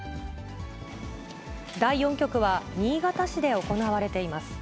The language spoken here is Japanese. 第４局は新潟市で行われています。